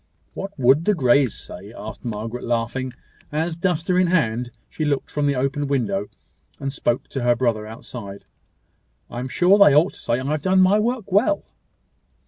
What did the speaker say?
"What would the Greys say?" asked Margaret, laughing; as, duster in hand, she looked from the open window, and spoke to her brother outside. "I am sure they ought to say I have done my work well."